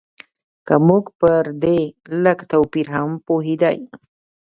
که موږ پر دې لږ توپیر هم پوهېدای.